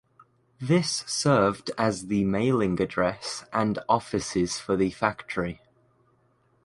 This served as the mailing address and offices for the factory.